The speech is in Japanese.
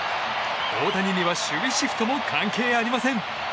大谷には守備シフトも関係ありません。